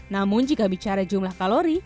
namun jika bicara jumlah kalori